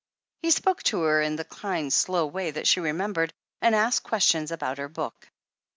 He spoke to her in the kind, slow way that she remem bered, and asked questions about her book.